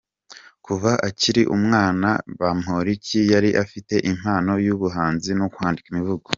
Kuva akiri umwana, Bamporiki yari afite impano y’ubuhanzi bwo kwandika imivugo.